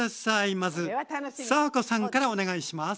まず佐和子さんからお願いします！